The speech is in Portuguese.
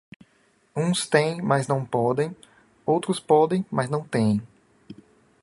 Uns têem mas não podem, outros podem mas não têem.